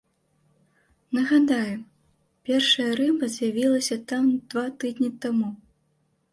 Нагадаем, першая рыба з'явілася там два тыдні таму.